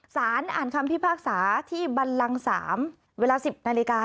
สารอ่านคำพิพากษาที่บันลัง๓เวลา๑๐นาฬิกา